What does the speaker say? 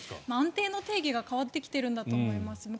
安定の定義が変わってきてるんだと思います。